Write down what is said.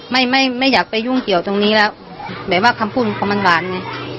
ไม่ไม่ไม่อยากไปยุ่งเกี่ยวตรงนี้แล้วแบบว่าคำพูดของเขามันหวานไง